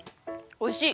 おいしい！